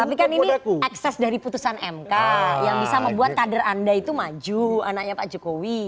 tapi kan ini ekses dari putusan mk yang bisa membuat kader anda itu maju anaknya pak jokowi